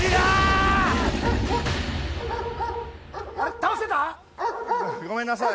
倒せた？